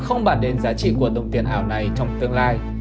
không bản đến giá trị của đồng tiền ảo này trong tương lai